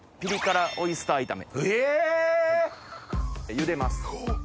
⁉ゆでます。